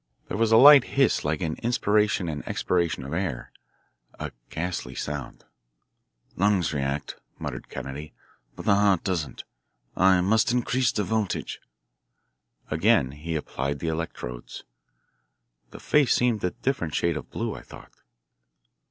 There was a light hiss like an inspiration and expiration of air, a ghastly sound. "Lungs react," muttered Kennedy, "but the heart doesn't. I must increase the voltage." Again he applied the electrodes. The face seemed a different shade of blue, I thought.